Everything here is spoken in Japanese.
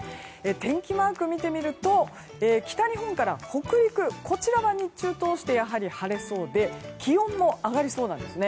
天気マーク見てみると北日本から北陸は、日中を通して晴れそうでして気温も上がりそうなんです。